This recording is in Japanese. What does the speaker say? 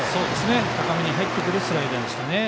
高めに入ってくるスライダーでしたね。